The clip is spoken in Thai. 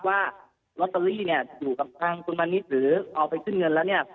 ว่าลอตเตอรี่เนี่ยอยู่กับทางคุณมณิษฐ์หรือเอาไปขึ้นเงินแล้วเนี่ย